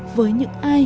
với những ai đã trải qua